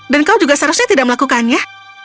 dan kau juga seharusnya tidak melakukannya